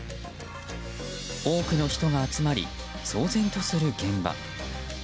多くの人が集まり騒然とする現場。